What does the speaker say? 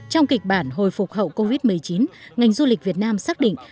trong kịch bản hồi phục hậu covid một mươi chín ngành du lịch việt nam xác định